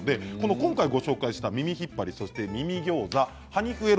今回ご紹介した耳引っ張りと耳ギョーザと「はにふえろ」